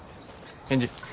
返事。